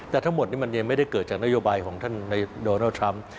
แต่ทั้งหมดนี้มันยังไม่ได้เกิดจากนโยบายของท่านในโดนัลด์ทรัมป์